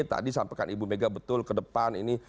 tadi sampaikan ibu mega betul ke depan ini